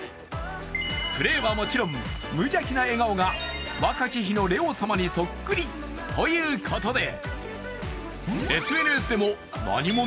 プレーはもちろん、無邪気な笑顔が若き日のレオ様にそっくりということでＳＮＳでも何者？